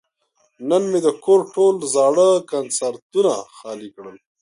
نن مې د کور ټول زاړه کنسترونه خالي کړل.